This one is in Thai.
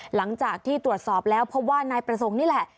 หลังจากที่ตรวจสอบแล้วพบว่านายประสงค์นี่แหละ